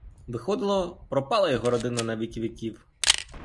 Виходило, пропала його родина навіки-віків!